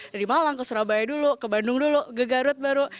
dari malang ke surabaya dulu ke bandung dulu ke garut baru